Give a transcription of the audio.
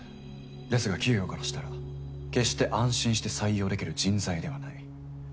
ですが企業からしたら決して安心して採用できる人材ではない。